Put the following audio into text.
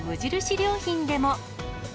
良品でも。